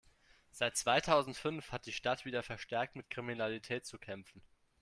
Seit zweitausendfünf hat die Stadt wieder verstärkt mit Kriminalität zu kämpfen.